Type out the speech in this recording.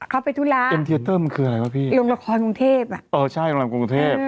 เขาไปธุระเอ็มเทียเตอร์มันคืออะไรวะพี่ลงละครกรุงเทพอ่ะเออใช่โรงแรมกรุงเทพ